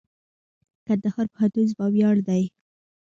کندهار پوهنتون زما ویاړ دئ.